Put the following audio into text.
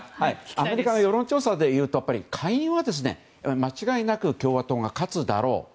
アメリカの世論調査でいうと下院は間違いなく共和党が勝つだろう。